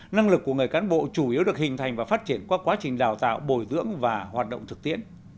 năng lực của người cán bộ chủ yếu được hình thành và phát triển qua quá trình đào tạo bồi dưỡng và hoạt động thực tiễn